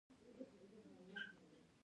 ایا زه باید د وزې غوښه وخورم؟